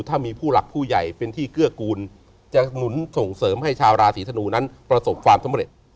ถ้ามีผู้หลักผู้ใหญ่เป็นที่เกื้อกูลจะหนุนส่งเสริมให้ชาวราศีธนูนั้นประสบความสำเร็จ